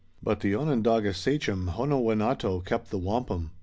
But the Onondaga sachem, Honowenato, kept the wampum.